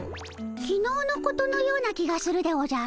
きのうのことのような気がするでおじゃる。